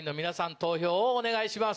投票をお願いします。